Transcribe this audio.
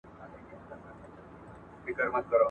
دا ماشین څنګه د کتابونو پاڼي سره پرتله کوي؟